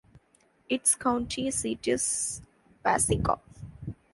Its county seat is Waseca.